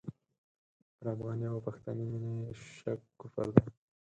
پر افغاني او پښتني مینه یې شک کفر دی.